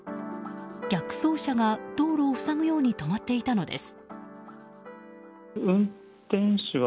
逆走車が道路を塞ぐように止まっていたのです。